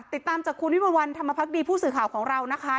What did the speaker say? ติดตามจากคุณวิมวลวันธรรมพักดีผู้สื่อข่าวของเรานะคะ